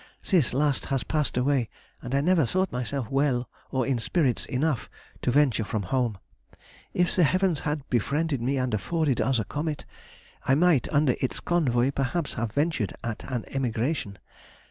This last has passed away, and I never thought myself well or in spirits enough to venture from home. If the heavens had befriended me, and afforded us a comet, I might, under its convoy, perhaps have ventured at an emigration.